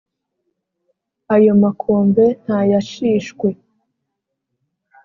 Ayo makombe nta yashishwe;